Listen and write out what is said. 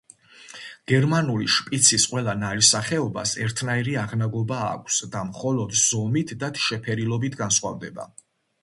გერმანული შპიცის ყველა ნაირსახეობას ერთნაირი აღნაგობა აქვს და მხოლოდ ზომით და შეფერილობით განსხვავდება.